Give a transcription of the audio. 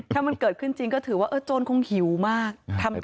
ถ้ามันเกิดขึ้นจริงก็ถือว่าโจรคงหิวมาก